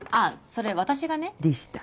それ私がねでした